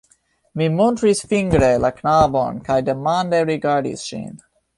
Mi montris fingre la knabon kaj demande rigardis ŝin.